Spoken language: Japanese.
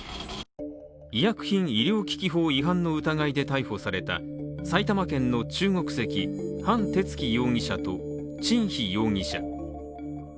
医薬品医療機器法違反の疑いで逮捕された埼玉県の中国籍范哲熙容疑者と陳飛容疑者。